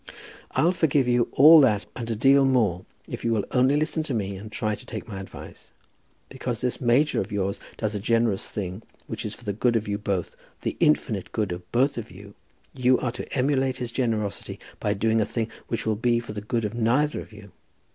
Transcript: "I'll forgive you all that and a deal more if you will only listen to me and try to take my advice. Because this major of yours does a generous thing, which is for the good of you both, the infinite good of both of you, you are to emulate his generosity by doing a thing which will be for the good of neither of you.